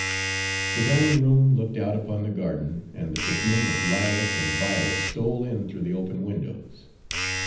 The dining room looked out upon the garden and the perfume of lilac and violet stole in through the open windows.